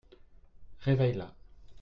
Réveille-la.